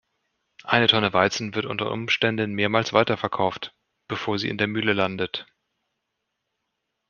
Eine Tonne Weizen wird unter Umständen mehrmals weiterverkauft, bevor sie in der Mühle landet.